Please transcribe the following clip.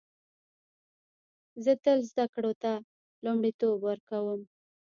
زه تل زده کړو ته لومړیتوب ورکوم